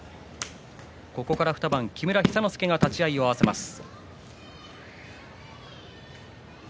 ここから２番は木村寿之介が立ち合いを合わせます。